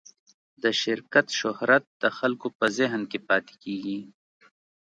د شرکت شهرت د خلکو په ذهن کې پاتې کېږي.